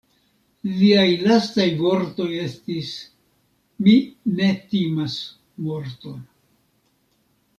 Liaj lastaj vortoj estis: "mi ne timas morton.